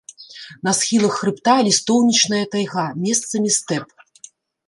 На схілах хрыбта лістоўнічная тайга, месцамі стэп.